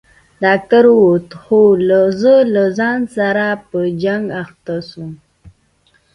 ډاکتر ووت خو زه له ځان سره په جنگ اخته سوم.